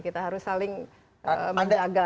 kita harus saling menjaga